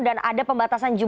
dan ada pembatasan jumlah